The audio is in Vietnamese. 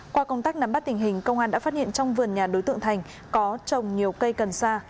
qua công tác nắm bắt tình hình công an đã phát hiện trong vườn nhà đối tượng thành có trồng nhiều cây cần sa